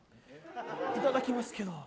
いただきますけど。